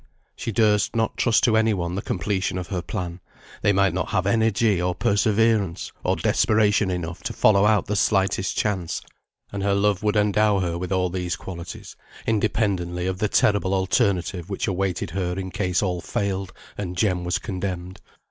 She durst not trust to any one the completion of her plan; they might not have energy, or perseverance, or desperation enough to follow out the slightest chance; and her love would endow her with all these qualities, independently of the terrible alternative which awaited her in case all failed and Jem was condemned.